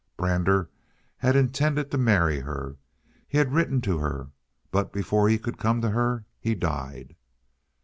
Brander had intended to marry her. He had written to her, but before he could come to her he died.